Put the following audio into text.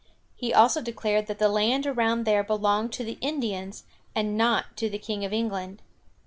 He also declared that the land around there belonged to the Indians and not to the King of England.